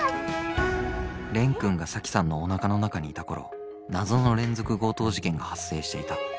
蓮くんが沙樹さんのおなかの中にいた頃謎の連続強盗事件が発生していた。